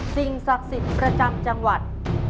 สินสักศิลปรจำจังหวัด